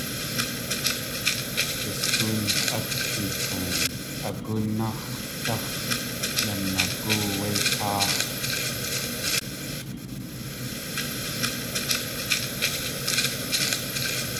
Yú sgóon tlʼátgi tlein, a góonnáx̲ dax̲yanaagóo wé káa.